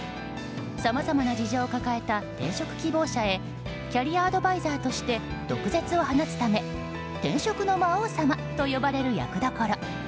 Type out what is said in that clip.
さまざまな事情を抱えた転職希望者へキャリアアドバイザーとして毒舌を放つため転職の魔王様と呼ばれる役どころ。